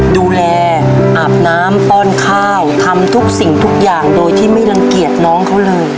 ดูแลอาบน้ำป้อนข้าวทำทุกสิ่งทุกอย่างโดยที่ไม่รังเกียจน้องเขาเลย